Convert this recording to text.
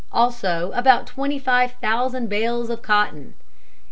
Also about twenty five thousand bales of cotton."